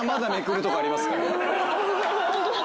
ホントだ！